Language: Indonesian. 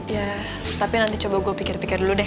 ya tapi nanti coba gue pikir pikir dulu deh